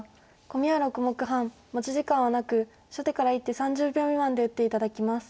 コミは６目半持ち時間はなく初手から１手３０秒未満で打って頂きます。